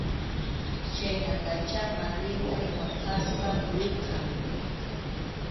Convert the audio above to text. Chhaynatachá madrinay waqaspa purirqan.